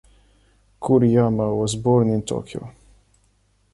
Kuriyama was born in Tokyo.